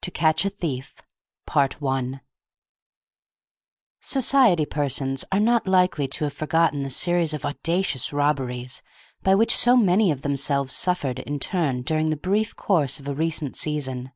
TO CATCH A THIEF I Society persons are not likely to have forgotten the series of audacious robberies by which so many of themselves suffered in turn during the brief course of a recent season.